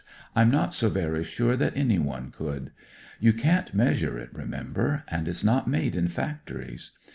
I'm not so very sure that anyone could. You can't measure it, remember ; and it's not made in factories.